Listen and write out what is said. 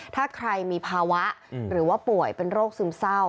ถ้าใครมีภาวะหรือว่าป่วยเป็นโรคซึมเศร้า